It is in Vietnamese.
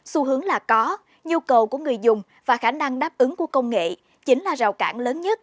xu hướng là có nhu cầu của người dùng và khả năng đáp ứng của công nghệ chính là rào cản lớn nhất